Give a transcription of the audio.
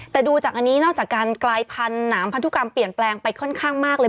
แต่ดูจากอันนี้นอกจากการกลายพันธุ์หนามพันธุกรรมเปลี่ยนแปลงไปค่อนข้างมากเลย